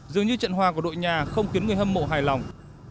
dường như trận hòa của đội nhà không khiến người hâm mộ hài lòng